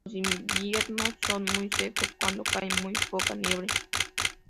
Los inviernos son muy secos, cuando cae muy poca nieve.